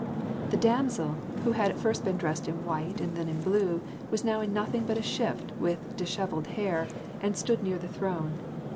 The damsel, who at first had been dressed in white and then in blue, was now in nothing but a shift, with dishevelled hair, and stood near the throne.